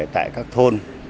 tại các thôn